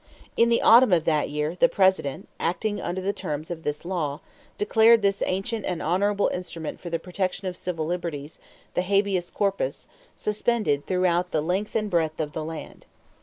In the autumn of that year the President, acting under the terms of this law, declared this ancient and honorable instrument for the protection of civil liberties, the habeas corpus, suspended throughout the length and breadth of the land.